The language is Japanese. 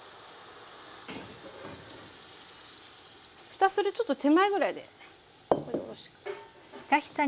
ふたするちょっと手前ぐらいで。